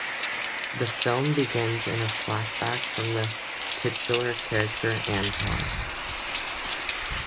The film begins in a flashback from the titular character, Antoine.